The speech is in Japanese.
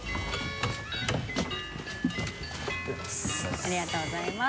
ありがとうございます。